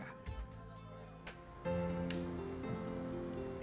masa kemudian pandemi covid sembilan belas menyebabkan pandemik covid sembilan belas